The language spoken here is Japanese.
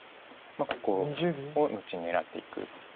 ここを後に狙っていく。